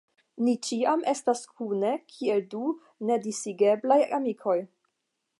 Ni ĉiam estas kune, kiel du nedisigeblaj amikoj.